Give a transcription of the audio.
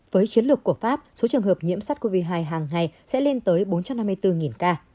với chiến lược của pháp số trường hợp nhiễm sars cov hai hàng ngày sẽ lên tới bốn trăm năm mươi bốn ca